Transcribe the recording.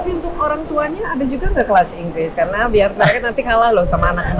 tapi untuk orang tuanya ada juga nggak kelas inggris karena biar mereka nanti kalah loh sama anaknya